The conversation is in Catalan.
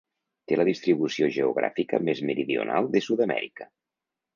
Té la distribució geogràfica més meridional de Sud-amèrica.